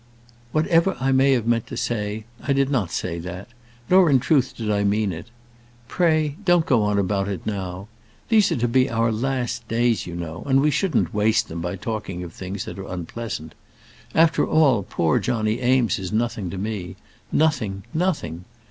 "Whatever I may have meant to say, I did not say that. Nor in truth did I mean it. Pray don't go on about it now. These are to be our last days, you know, and we shouldn't waste them by talking of things that are unpleasant. After all poor Johnny Eames is nothing to me; nothing, nothing.